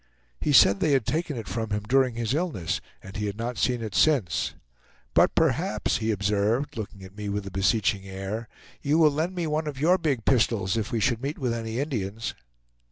He said they had taken it from him during his illness, and he had not seen it since; "but perhaps," he observed, looking at me with a beseeching air, "you will lend me one of your big pistols if we should meet with any Indians."